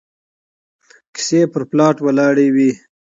کيسې پر پلاټ ولاړې وي